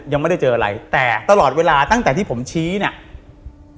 ยังไม่ได้เจออะไรแต่ตลอดเวลาตั้งแต่ที่ผมชี้เนี่ย